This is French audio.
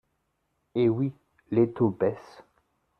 Eh oui, les taux baissent